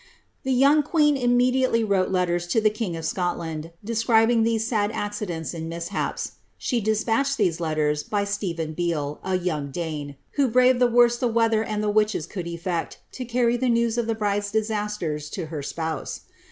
The joung queen immediately wrote letters to the king of Scotland, de scribing these sad accidents and mishaps. She despatched these letters by Steven Beale, a young Dane, who braved the worst the weather and the witches could effect, to carry the news of the bride's disasters to her spouse.'